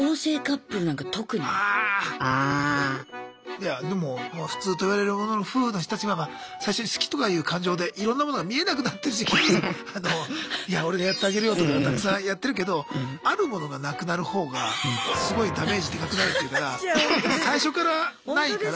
いやでも普通といわれるものの夫婦の人たちは最初に好きとかいう感情でいろんなものが見えなくなってる時期にいや俺がやってあげるよとかたくさんやってるけどあるものがなくなる方がすごいダメージでかくなるっていうから最初からないから。